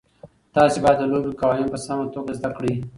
تاسي باید د لوبې قوانین په سمه توګه زده کړئ.